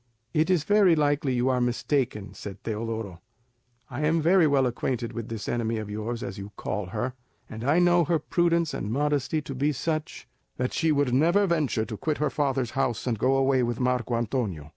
"It is very likely you are mistaken," said Teodoro; "I am very well acquainted with this enemy of yours, as you call her, and I know her prudence and modesty to be such, that she never would venture to quit her father's house and go away with Marco Antonio.